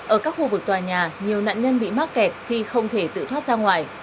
ở các khu vực tòa nhà nhiều nạn nhân bị mắc kẹt khi không thể tự thoát ra ngoài